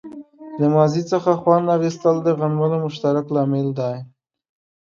له ماضي څخه خوند اخیستل د غنملو مشترک لامل دی.